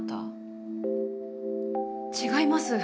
違います。